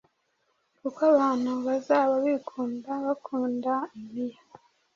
kuko abantu bazaba bikunda, bakunda impiya,